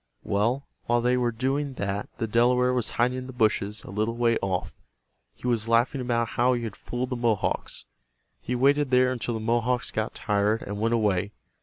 Well, while they were doing that the Delaware was hiding in the bushes a little way off. He was laughing about how he had fooled the Mohawks. He waited there until the Mohawks got tired and went away.